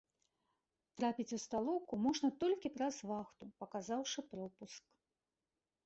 Трапіць у сталоўку можна толькі праз вахту, паказаўшы пропуск.